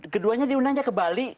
keduanya diundang aja ke bali